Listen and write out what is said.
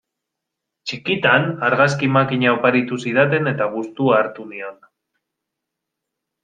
Txikitan argazki makina oparitu zidaten eta gustua hartu nion.